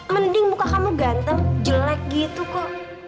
mending muka kamu ganteng jelek gitu kok